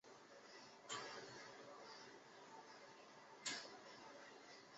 腹背两侧各有四个黑褐色斜着的条斑。